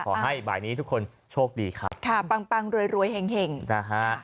ขอให้บ่ายนี้ทุกคนโชคดีครับค่ะปังปังรวยรวยแห่งนะฮะ